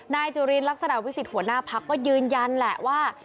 จุลินลักษณะวิสิทธิหัวหน้าพักก็ยืนยันแหละว่า